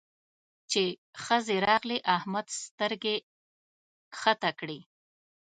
چې ښځې راغلې؛ احمد سترګې کښته کړې.